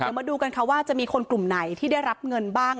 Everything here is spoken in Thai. เดี๋ยวมาดูกันค่ะว่าจะมีคนกลุ่มไหนที่ได้รับเงินบ้าง